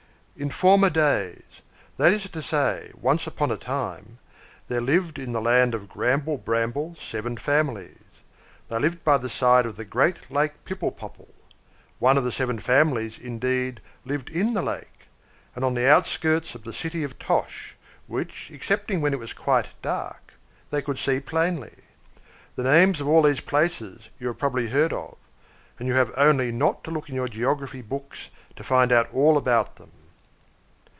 In former days, that is to say, once upon a time, there lived in the Land of Gramble Blamble seven families. They lived by the side of the great Lake Pipple Popple (one of the seven families, indeed, lived in the lake), and on the outskirts of the city of Tosh, which, excepting when it was quite dark, they could see plainly. The names of all these places you have probably heard of; and you have only not to look in your geography books to find out all about them.